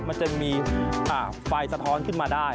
มันจะมีไฟสะท้อนขึ้นมาได้